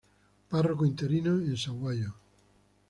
Párroco interino en Sahuayo.